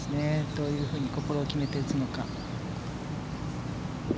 どういうふうに心を決めて打つのか。